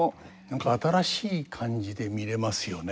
何か新しい感じで見れますよね。